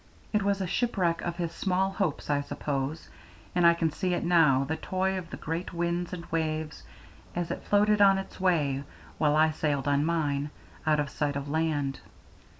It was a shipwreck of his small hopes, I suppose, and I can see it now, the toy of the great winds and waves, as it floated on its way, while I sailed on mine, out of sight of land.